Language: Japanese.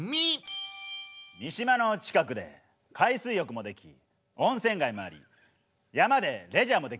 三島の近くで海水浴もでき温泉街もあり山でレジャーもできる。